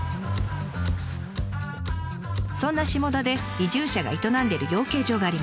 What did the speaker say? そんな下田で移住者が営んでいる養鶏場があります。